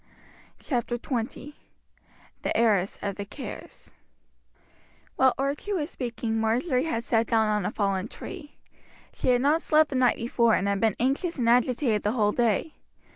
Chapter XX The Heiress of the Kerrs While Archie was speaking Marjory had sat down on a fallen tree. She had not slept the night before, and had been anxious and agitated the whole day.